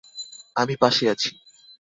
আমি পাশে আছি।